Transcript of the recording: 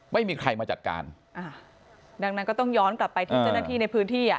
ไม่มีใครมาจัดการอ่าดังนั้นก็ต้องย้อนกลับไปที่เจ้าหน้าที่ในพื้นที่อ่ะ